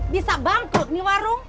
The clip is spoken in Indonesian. bisa bangkrut nih warung